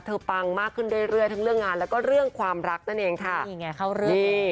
ปังมากขึ้นเรื่อยทั้งเรื่องงานแล้วก็เรื่องความรักนั่นเองค่ะนี่ไงเข้าเรื่องนี้